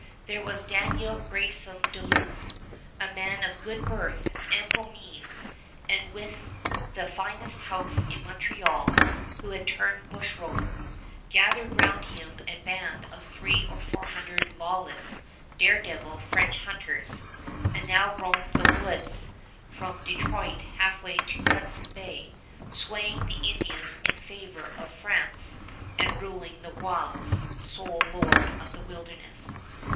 There was Daniel Greysolon Duluth, a man of good birth, ample means, and with the finest house in Montreal, who had turned bushrover, gathered round him a band of three or four hundred lawless, dare devil French hunters, and now roamed the woods from Detroit halfway to Hudson Bay, swaying the Indians in favor of France and ruling the wilds, sole lord of the wilderness.